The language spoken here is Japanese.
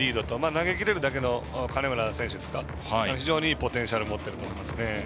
投げきれるだけの金村選手も非常にいいポテンシャルを持ってると思いますね。